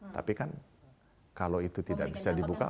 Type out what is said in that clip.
tapi kan kalau itu tidak bisa dibuka